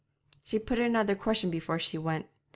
She put another question before she went.